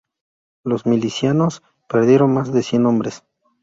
Los milicianos perdieron más de cien hombres.